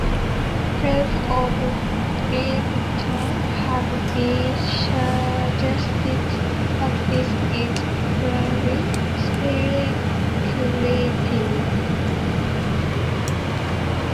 Felt or leather have been suggested, but this is purely speculative.